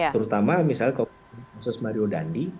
terutama misalnya kalau khusus mario dandi